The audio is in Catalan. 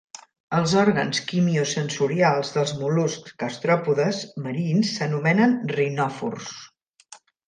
Els òrgans quimiosensorials dels mol·luscs gastròpodes marins s'anomenen rinòfors.